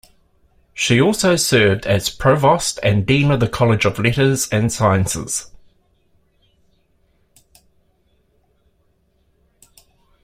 She also served as provost and dean of the College of Letters and Sciences.